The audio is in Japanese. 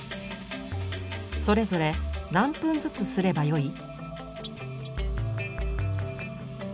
それぞれ何分ずつすればよい？